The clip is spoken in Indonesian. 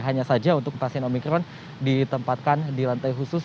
hanya saja untuk pasien omikron ditempatkan di lantai khusus